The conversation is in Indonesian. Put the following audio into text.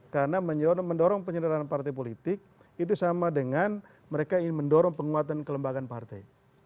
karena mendorong penyederhana partai politik itu sama dengan mereka ingin mendorong penguatan kelembagaan partai